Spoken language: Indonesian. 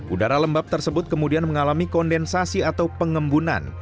udara lembab tersebut kemudian mengalami kondensasi atau pengembunan